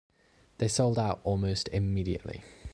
They sold out almost immediately.